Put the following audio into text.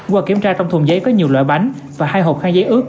qua kiểm tra trong thùng giấy có nhiều loại bánh và hai hộp khang giấy ướt